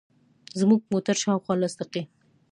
زموږ موټر شاوخوا لس دقیقې.